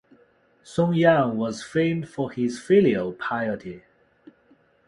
Song Yang was famed for his filial piety.